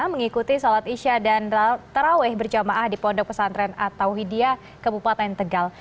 mengikuti sholat isya dan tarawih berjamaah di pondok pesantren atau hidya kabupaten tegal